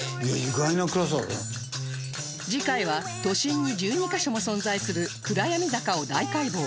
次回は都心に１２カ所も存在する暗闇坂を大解剖